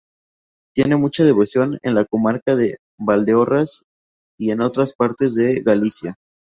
Tiene mucha devoción en la comarca de Valdeorras y en otras partes de Galicia.